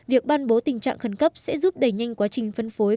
việc ban bố tình trạng khẩn cấp sẽ giúp đẩy nhanh quá trình phân phối